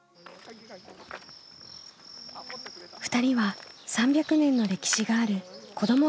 ２人は３００年の歴史がある子ども